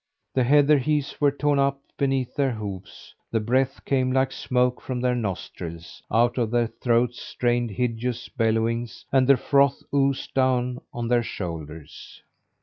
The heather heaths were torn up beneath their hoofs; the breath came like smoke from their nostrils; out of their throats strained hideous bellowings, and the froth oozed down on their shoulders.